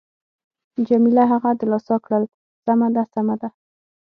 جميله هغه دلاسا کړل: سمه ده، سمه ده.